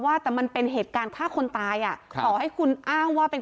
ว่าแต่มันเป็นเหตุการณ์ฆ่าคนตายอ่ะครับต่อให้คุณอ้างว่าเป็น